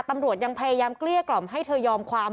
ตำรวจยังพยายามเกลี้ยกล่อมให้เธอยอมความ